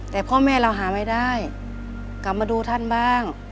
แต่พ่อแม่เราหาไม่ได้กลับมาดูท่านบ้าง